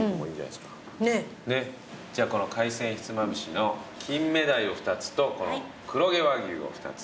じゃあこの海鮮ひつまぶしの金目鯛を２つと黒毛和牛を２つ。